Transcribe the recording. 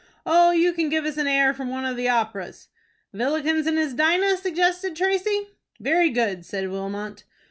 "Oh, you can give us an air from one of the operas." "Villikens and his Dinah?" suggested Tracy. "Very good," said Wilmot.